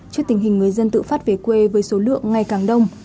trước tình hình người dân tự phát về quê với số lượng ngày càng đông